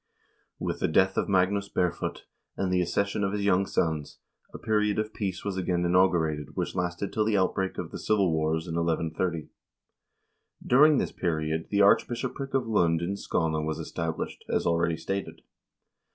With the death of Magnus Barefoot, and the accession of his young sons, a period of peace was again inaugurated, which lasted till the outbreak of the civil wars in 1130. /During this period the archbishopric of Lund in Skane was established, as already stated.